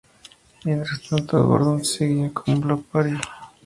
Mientras tanto, Gordon seguía con Bloc Party.